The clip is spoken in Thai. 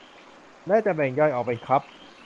และจะแบ่งย่อยออกเป็นคัพ